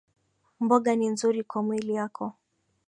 Mboga ni nzuri kwa mwili yako